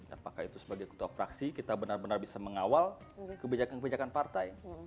apakah itu sebagai ketua fraksi kita benar benar bisa mengawal kebijakan kebijakan partai